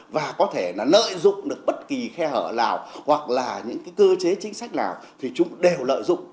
và có thể là lợi dụng được bất kỳ khe hở nào hoặc là những cái cơ chế chính sách nào thì chúng đều lợi dụng